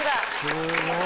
すごい！